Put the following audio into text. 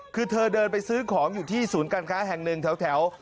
คือเธอเดินไปซื้อของอยู่ที่ศูนย์การค้าแห่งหนึ่งแถว